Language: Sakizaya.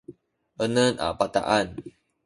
enem a bataan